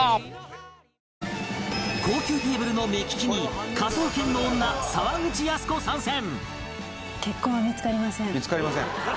高級テーブルの目利きに『科捜研の女』沢口靖子参戦